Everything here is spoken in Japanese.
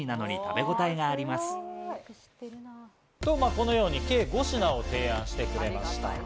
このように計５品を提案してくれました。